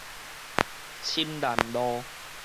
深南路